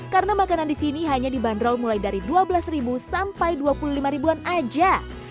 karena makanan di sini hanya dibanderol mulai dari dua belas sampai dua puluh lima an aja